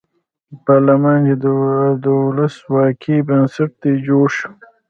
پارلمان چې د ولسواکۍ بنسټ دی جوړ شو.